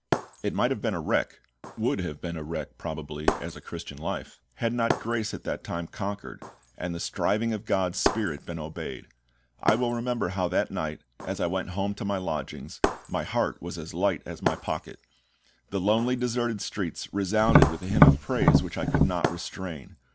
It might have been a wreck would have been a wreck probably, as a Christian life had not grace at that time conquered, and the striving of GOD'S SPIRIT been obeyed. I well remember how that night, as I went home to my lodgings, my heart was as light as my pocket. The lonely, deserted streets resounded with a hymn of praise which I could not restrain.